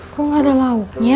kok nggak ada lauknya